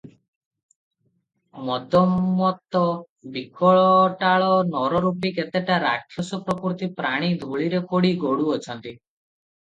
ମଦମତ୍ତ ବିକଟାଳ ନରରୂପୀ କେତେଟା ରାକ୍ଷସପ୍ରକୃତି ପ୍ରାଣୀ ଧୂଳିରେ ପଡ଼ି ଗଡ଼ୁ ଅଛନ୍ତି ।